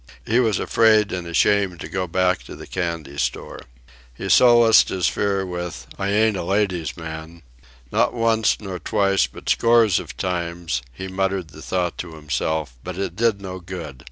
He was afraid and ashamed to go back to the candy shop. He solaced his fear with, "I ain't a ladies' man." Not once, nor twice, but scores of times, he muttered the thought to himself, but it did no good.